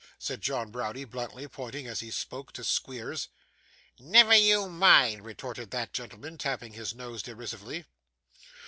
said John Browdie bluntly, pointing, as he spoke, to Squeers. 'Never you mind,' retorted that gentleman, tapping his nose derisively.